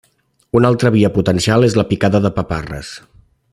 Una altra via potencial és la picada de paparres.